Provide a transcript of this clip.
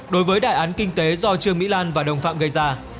đối với đại án kinh tế do trương mỹ lan và đồng phạm gây ra